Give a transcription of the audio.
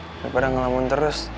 daripada ngelamun terus